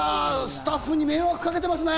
スタッフに迷惑かけてますね。